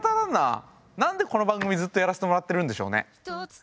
何でこの番組ずっとやらせてもらってるんでしょうね。